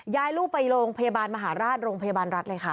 ยายลูกไปโรงพยาบาลมหาราชโรงพยาบาลรัฐเลยค่ะ